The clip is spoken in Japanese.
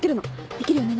できるよね？